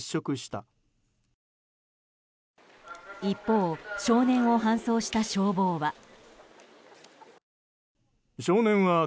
一方、少年を搬送した消防は。